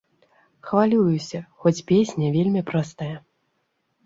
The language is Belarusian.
Хвалююся, хоць песня вельмі простая.